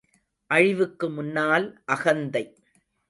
அழிவுக்கு முன்னால் அகந்தை.